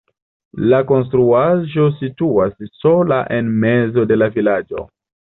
La konstruaĵo situas sola en mezo de la vilaĝo.